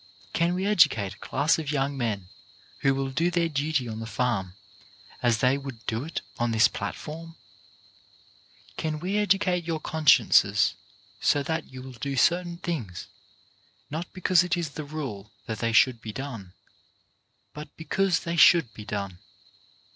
Can we edu cate a class of young men who will do their duty on the farm as they would do it on this platform ? Can we educate your consciences so that you will EACH ONE HIS PART 223 do certain things, not because it is the rule that they should be done, but because they should be done?